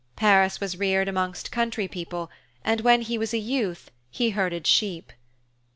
Paris was reared amongst country people, and when he was a youth he herded sheep.